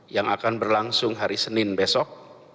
yang akan berlangsung hari senin besok